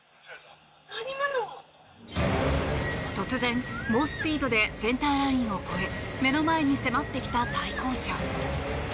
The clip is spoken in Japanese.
突然、猛スピードでセンターラインを越え目の前に迫ってきた対向車。